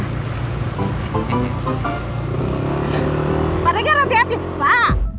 pak regar hati hati